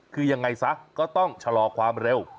คือยังไงซะก็ต้องชะลอความเร็ว